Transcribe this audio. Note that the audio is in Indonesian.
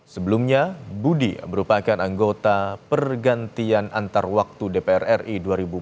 sebelumnya budi merupakan anggota pergantian antarwaktu dpr ri dua ribu empat belas dua ribu sembilan belas